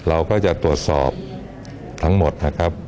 เราก็จะตรวจสอบทั้งหมดนะครับ